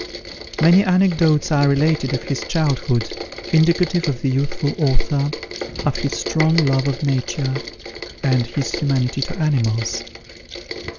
Many anecdotes are related of his childhood, indicative of the youthful author, of his strong love of Nature, and his humanity to animals.